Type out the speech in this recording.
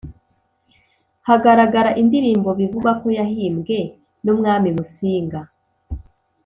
hagaragara indirimbo bivugwa ko yahimbwe n’Umwami Musinga